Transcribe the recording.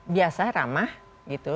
biasa ramah gitu